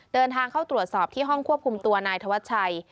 เดินทางเข้าตรวจสอบที่ห้องควบคุมตัวนายธวัชชัย